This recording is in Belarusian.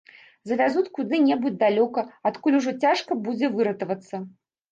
Завязуць куды-небудзь далёка, адкуль ужо цяжка будзе выратавацца.